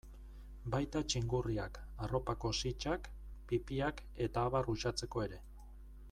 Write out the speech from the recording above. Baita txingurriak, arropako sitsak, pipiak eta abar uxatzeko ere.